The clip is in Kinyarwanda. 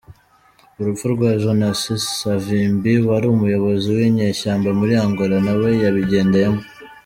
Urupfu rwa Jonasi savimbi wari umuyobozi w’inyeshyamba muri Angola nawe yabigendeyemo.